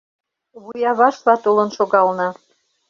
Вуявашла толын шогална.